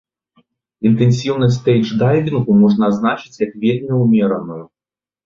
Інтэнсіўнасць стэйдждайвінгу можна азначыць як вельмі умераную.